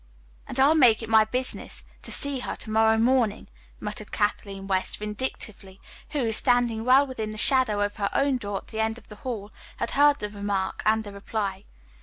"And I'll make it my business to see her to morrow morning," muttered Kathleen West vindictively, who, standing well within the shadow of her own door at the end of the hall, had heard the remark and the reply.